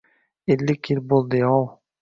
Ellik yil bo’ldi-yov.